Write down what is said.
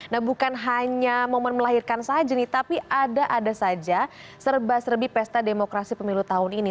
nah bukan hanya momen melahirkan saja nih tapi ada ada saja serba serbi pesta demokrasi pemilu tahun ini